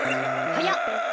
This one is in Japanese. はやっ！